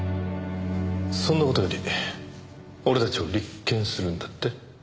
そんな事より俺たちを立件するんだって？